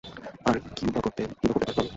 আর, কিইবা করতে পারতাম?